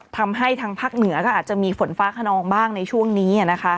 ทางภาคเหนือก็อาจจะมีฝนฟ้าขนองบ้างในช่วงนี้